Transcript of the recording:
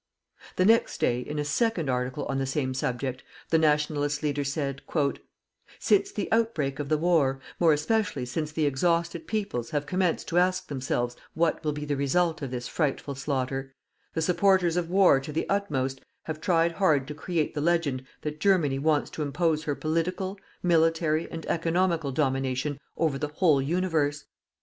The next day, in a second article on the same subject, the Nationalist leader said: "_Since the outbreak of the war, more especially since the exhausted peoples have commenced to ask themselves what will be the result of this frightful slaughter, the supporters of war to the utmost have tried hard to create the legend that Germany wants to impose her political, military and economical domination over the whole universe.